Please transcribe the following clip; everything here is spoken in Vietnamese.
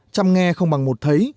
chăm nghe không bằng một thấy